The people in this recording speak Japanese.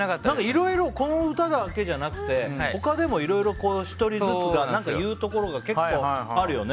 いろいろ、この歌だけじゃなくて他でもいろいろ１人ずつ言うところが結構あるよね。